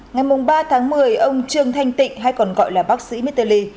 ngày ba tháng một mươi ông trương thanh tịnh hay còn gọi là bác sĩ mitterly